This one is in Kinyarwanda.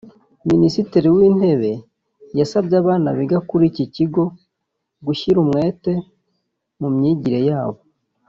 Minisitiri w’intebe yasabye abana biga kuri iki kigo gushyira umwete mu myigire yabo